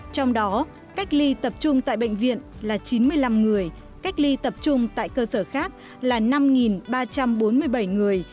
trong đó cách ly tập trung tại bệnh viện là chín mươi năm người cách ly tập trung tại cơ sở khác là năm ba trăm bốn mươi bảy người